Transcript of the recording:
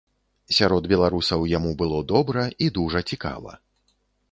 Сярод беларусаў яму было добра і дужа цікава.